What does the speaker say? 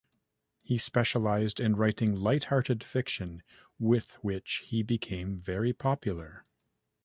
He specialised in writing light-hearted fiction, with which he became very popular.